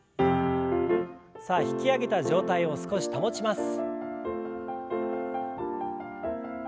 さあ引き上げた状態を少し保ちます。